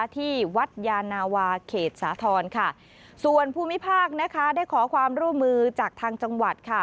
ที่วัดยานาวาเขตสาธรณ์ส่วนผู้มิพากษ์ได้ขอความร่วมมือจากทางจังหวัด